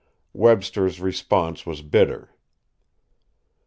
Webster's response was bitter.